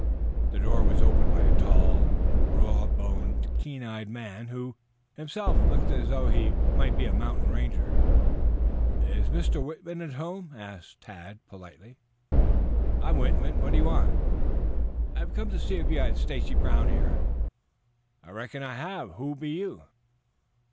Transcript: The door was opened by a tall, raw boned, keen eyed man, who himself looked as though he might be a mountain ranger. "Is Mr. Whitman at home?" asked Tad politely. "I'm Whitman. What you want?" "I came to see if you had Stacy Brown here?" "I reckon I have. Who be you?"